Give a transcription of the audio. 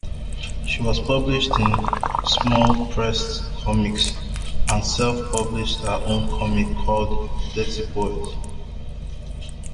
She was published in small-press comics and self-published her own comic called "Dirty Plotte".